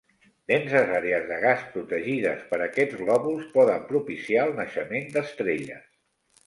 Denses àrees de gas protegides per aquests glòbuls poden propiciar el naixement d'estrelles.